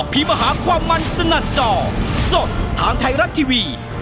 อภิมฮาความมันตะนัดจอสดทางไทยรัฐทีวี